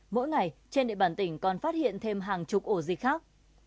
mỗi ngày trên địa bàn tỉnh còn phát hiện thêm hàng chục ổ dịch khác